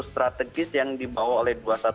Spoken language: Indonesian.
strategis yang dibawa oleh dua ratus dua belas